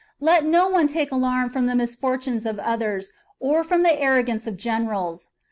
Let no one take alarm from the misfortunes of others, or from the arrogance of generals.